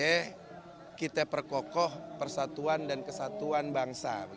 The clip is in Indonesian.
karena kita perkokoh persatuan dan kesatuan